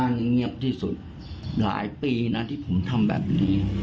อันนี้ผมทำแบบนี้